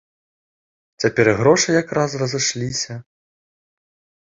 Цяпер і грошы якраз разышліся.